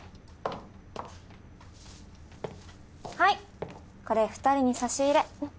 はいこれ２人に差し入れ。